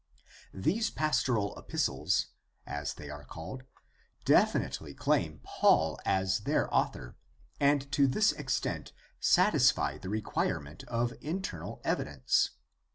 These Pastoral Epistles, as they are called, definitely claim Paul as their author, and to this extent satisfy the requirement of internal evidence.